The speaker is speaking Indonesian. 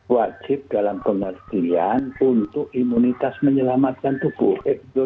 wajib dalam pengertian untuk imunitas menyelamatkan tubuh